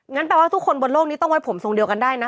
แปลว่าทุกคนบนโลกนี้ต้องไว้ผมทรงเดียวกันได้นะ